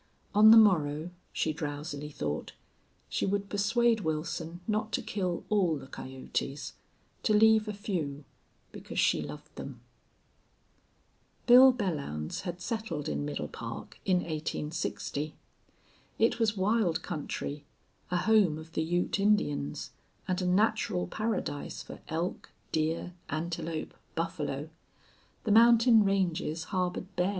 On the morrow, she drowsily thought, she would persuade Wilson not to kill all the coyotes; to leave a few, because she loved them. Bill Belllounds had settled in Middle Park in 1860. It was wild country, a home of the Ute Indians, and a natural paradise for elk, deer, antelope, buffalo. The mountain ranges harbored bear.